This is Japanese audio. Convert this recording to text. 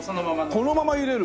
このまま入れる？